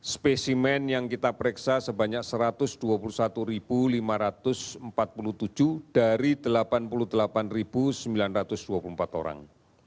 spesimen yang kita pereksa sebanyak satu ratus dua puluh satu lima ratus empat puluh tujuh dari delapan puluh delapan sembilan ratus dua puluh empat orang